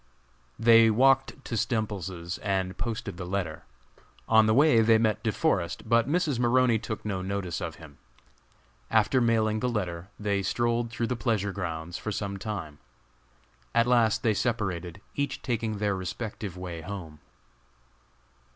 They walked to Stemples's and posted the letter. On the way they met De Forest, but Mrs. Maroney took no notice of him. After mailing the letter, they strolled through the pleasure grounds for some time. At last they separated, each taking their respective way home.